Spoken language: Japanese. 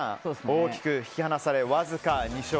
大きく引き離され、わずか２勝。